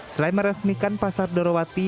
selain meresmikan pasar dorowati